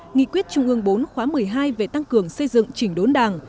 nghị quyết trung ương bốn khóa một mươi hai về tăng cường xây dựng chỉnh đốn đảng